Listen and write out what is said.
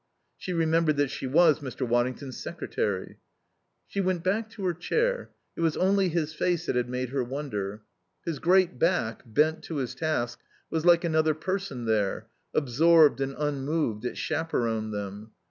She remembered that she was Mr. Waddington's secretary. She went back to her chair. It was only his face that had made her wonder. His great back, bent to his task, was like another person there; absorbed and unmoved, it chaperoned them.